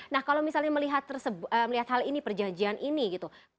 nah kalau misalnya melihat hal ini perjanjian ini gitu